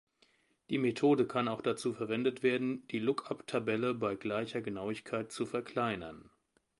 Die Methode kann auch dazu verwendet werden, die Lookup-Tabelle bei gleicher Genauigkeit zu verkleinern.